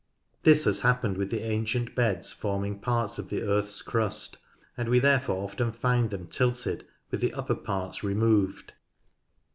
This has happened with the ancient beds forming parts of the earth's crust, and we therefore often find them tilted, with the upper parts removed.